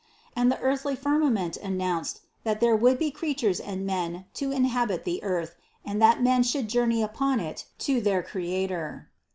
And the earthly firmament an nounced that there would be creatures and men to in habit the earth and that men should journey upon it to their Creator.